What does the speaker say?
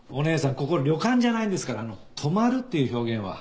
ここ旅館じゃないんですから泊まるっていう表現は。